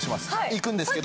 いくんですけど。